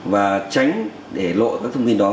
và tránh để lộ các thông tin đó